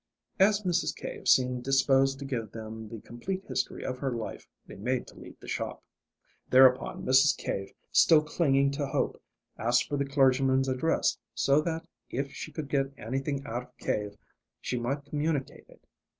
As Mrs. Cave seemed disposed to give them the complete history of her life they made to leave the shop. Thereupon Mrs. Cave, still clinging to hope, asked for the clergyman's address, so that, if she could get anything out of Cave, she might communicate it.